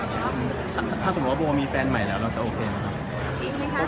ถ้าบอกว่ามีแฟนใหม่แล้วเราจะโอเคไหมครับ